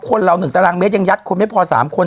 เรา๑ตารางเมตรยังยัดคนไม่พอ๓คน